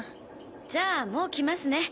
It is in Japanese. じゃあもう来ますね